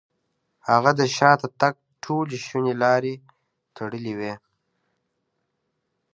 هغه د شاته تګ ټولې شونې لارې تړلې وې.